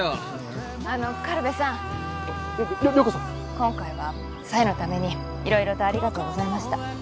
今回は沙代のためにいろいろとありがとうございました。